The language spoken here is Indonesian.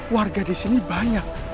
warga disini banyak